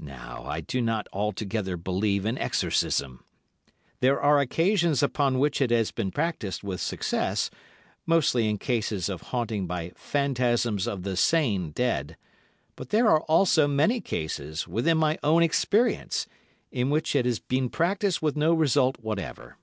Now I do not altogether believe in exorcism. There are occasions upon which it has been practised with success, mostly in cases of haunting by phantasms of the sane dead, but there are also many cases, within my own experience, in which it has been practised with no result whatever.